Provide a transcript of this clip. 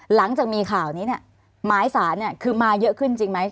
หลังจากมีข่าวนี้หมายสารคือมาเยอะขึ้นจริงไหม